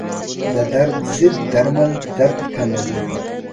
د درد ضد درمل درد کموي.